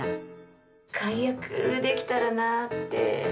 解約できたらなあって。